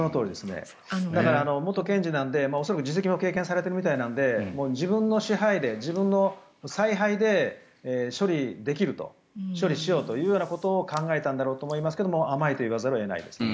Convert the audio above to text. だから、元検事なので次席も経験されているようなので自分の支配で、自分の采配で処理できると処理しようと考えたんだろうと思いますが甘いと言わざるを得ないですね。